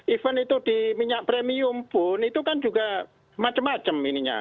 even itu di minyak premium pun itu kan juga macam macam ininya